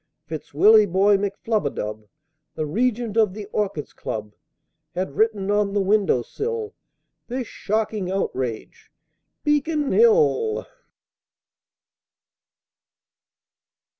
Fitz Willieboy McFlubadub, The Regent of the Orchids' Club, Had written on the window sill, This shocking outrage "Beacon H ll!"